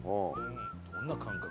どんな感覚？